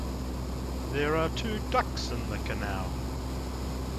There are two ducks in the canal.